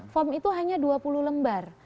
form itu hanya dua puluh lembar